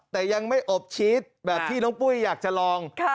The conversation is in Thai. แต่ยังไม่อบชีสแบบที่น้องปุ้ยอยากจะลอง